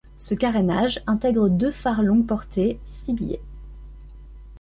Ce carénage intègre deux phares longue portée Cibié.